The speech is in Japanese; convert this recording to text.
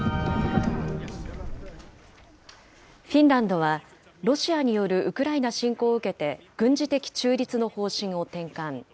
フィンランドは、ロシアによるウクライナ侵攻を受けて、軍事的中立の方針を転換。